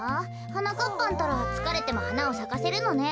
はなかっぱんったらつかれてもはなをさかせるのね。